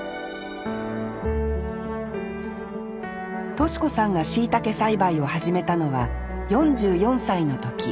敏子さんがしいたけ栽培を始めたのは４４歳の時。